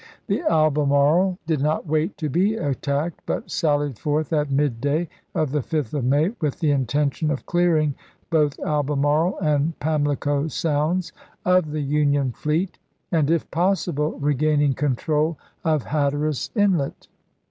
The Albemarle did not wait to be attacked, but sallied forth at midday of the 5th of May, with the intention of clearing both Albemarle and Pamlico Sounds of the Union fleet, and, if possible, regaining control of Hatteras Inlet.